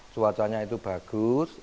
cuacanya itu bagus